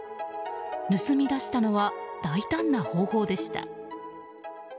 盗み出したのは大胆な方法でした。